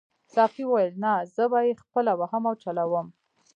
ساقي وویل نه زه به یې خپله وهم او چلاوم.